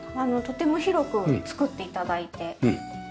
とても広く作って頂いて。